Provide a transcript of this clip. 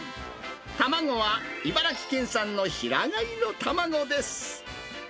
卵は茨城県産の平飼いの卵です。